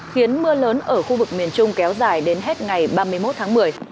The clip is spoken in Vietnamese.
khiến mưa lớn ở khu vực miền trung kéo dài đến hết ngày ba mươi một tháng một mươi